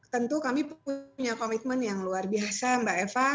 tentu kami punya komitmen yang luar biasa mbak eva